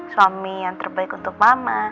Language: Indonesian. suami yang terbaik untuk mama